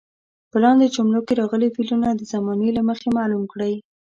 په لاندې جملو کې راغلي فعلونه د زمانې له مخې معلوم کړئ.